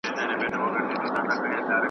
له سینې څخه یې ویني بهېدلې .